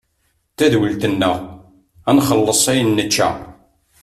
D tadwilt-nneɣ ad nxelles ayen nečča.